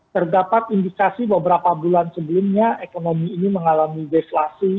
terdapat indikasi beberapa bulan sebelumnya ekonomi ini mengalami deflasi